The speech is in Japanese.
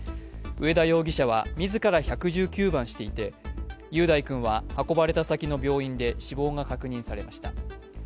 上田容疑者は自ら１１９番していて雄大君は運ばれた先の病院で死亡が確認されました。